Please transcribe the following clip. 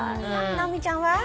直美ちゃんは？